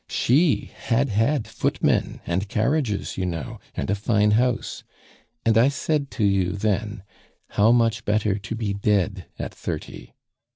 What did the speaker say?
She had had footmen and carriages, you know, and a fine house! And I said to you then, 'How much better to be dead at thirty!